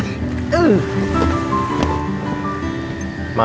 makasih banyak ya pa